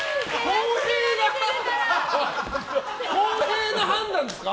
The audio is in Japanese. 公平な判断ですか？